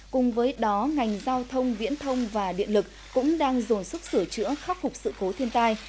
cùng với đó ngành giao thông viễn thông và điện lực cũng đang dồn sức sửa chữa khắc phục sự cố thiên tai